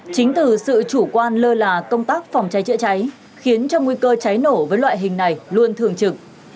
chính từ sự chủ quan lơ là công tác phòng cháy chữa cháy khiến cho nguy cơ cháy nổ với loại hình này luôn thường trực